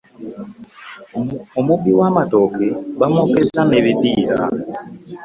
Omubbi w'amatooke bamwokezza n'ebippiira.